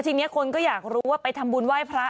ทีนี้คนก็อยากรู้ว่าไปทำบุญไหว้พระ